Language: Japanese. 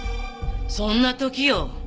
そんな時よ。